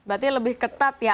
berarti lebih ketat ya